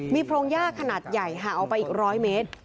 มีโพรงยากขนาดใหญ่หาเอาไปอีกร้อยเมตร